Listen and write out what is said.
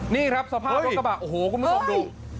นี่ครับสภาพรถกระบะโอ้โหคุณผู้ชมดู